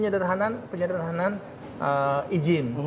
itu penyederhanan izin